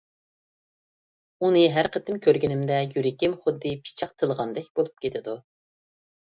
ئۇنى ھەر قېتىم كۆرگىنىمدە يۈرىكىم خۇددى پىچاق تىلغاندەك بولۇپ كېتىدۇ.